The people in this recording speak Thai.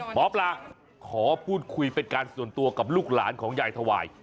หมอปลาขอพูดคุยเป็นการส่วนตัวกับลูกหลานของยายถวาย